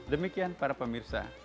demikian para pemirsa